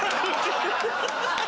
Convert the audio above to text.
⁉ハハハハ！